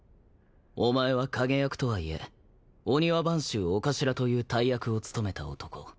お前は影役とはいえ御庭番衆御頭という大役を務めた男。